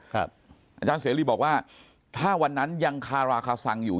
อาจารย์เสรีบอกว่าถ้าวันนั้นยังคาราคาซังอยู่